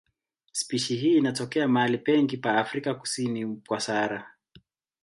Spishi hii inatokea mahali pengi pa Afrika kusini kwa Sahara.